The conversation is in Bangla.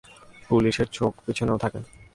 পুলিশের চোখে পিছনেও থাকে।